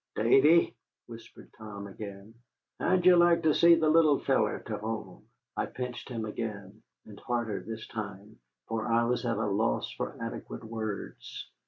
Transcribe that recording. "Davy," whispered Tom again, "how'd ye like to see the little feller to home?" I pinched him again, and harder this time, for I was at a loss for adequate words.